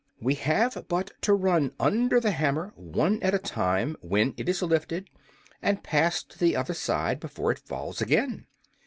We have but to run under the hammer, one at a time, when it is lifted, and pass to the other side before it falls again."